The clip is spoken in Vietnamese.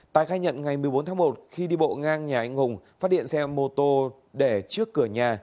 tài khai nhận ngày một mươi bốn tháng một khi đi bộ ngang nhà anh hùng phát điện xe mô tô để trước cửa nhà